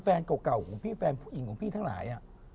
แฟนเก่าของพี่แฟนผู้หญิงของพี่ทั้งหลาย